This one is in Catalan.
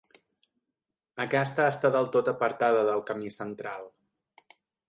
Aquesta està del tot apartada del camí central.